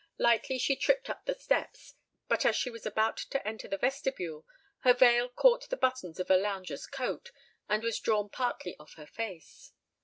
Lightly she tripped up the steps; but as she was about to enter the vestibule, her veil caught the buttons of a lounger's coat, and was drawn partly off her face.